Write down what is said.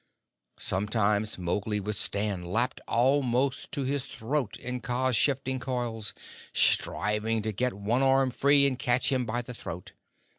Sometimes Mowgli would stand lapped almost to his throat in Kaa's shifting coils, striving to get one arm free and catch him by the throat.